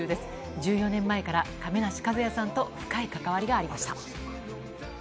１４年前から亀梨和也さんと深い関わりがありました。